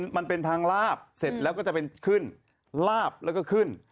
มันเป็นทางลาบเสร็จแล้วก็จะเป็นขึ้นลาบแล้วก็ขึ้น